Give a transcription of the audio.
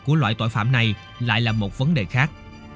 của loại tội phạm này lại là một vấn đề khác